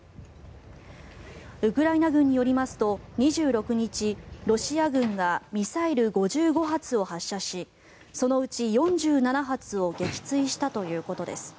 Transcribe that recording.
ウクライナ軍によりますと２６日ロシア軍がミサイル５５発を発射しそのうち４７発を撃墜したということです。